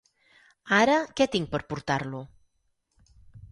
Ara, què tinc per portar-lo?